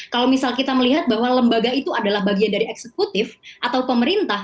kalau misal kita melihat bahwa lembaga itu adalah bagian dari eksekutif atau pemerintah